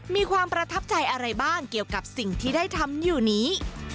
มีความประทับใจอะไรบ้างเกี่ยวกับสิ่งที่ได้ทำอยู่นี้